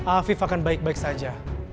afif akan baik baik saja